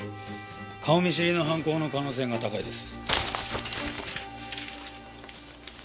顔見知りの犯行の可能性が高いです。